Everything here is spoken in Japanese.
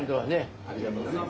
ありがとうございます。